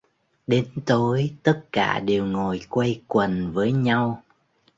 Đến tối tất cả đều ngồi quây quần với nhau